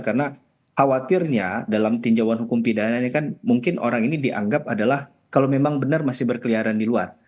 karena khawatirnya dalam tinjauan hukum pidana ini kan mungkin orang ini dianggap adalah kalau memang benar masih berkeliaran di luar